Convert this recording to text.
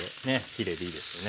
きれいでいいですよね。